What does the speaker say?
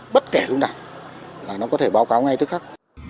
bất kể lúc nào là nó có thể báo cáo ngay tức khắc